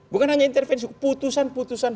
bukan hanya intervensi hukum putusan putusan